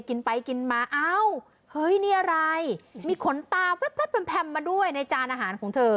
กินไปกินมาเอ้าเฮ้ยนี่อะไรมีขนตาแว๊บแพมมาด้วยในจานอาหารของเธอ